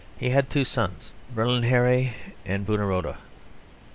He had two sons, Berlinghieri and Buonarrota.